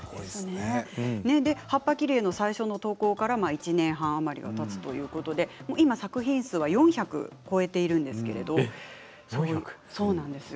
葉っぱ切り絵の最初の投稿から１年半余りがたつということで今、作品数は４００を超えているんですけれども。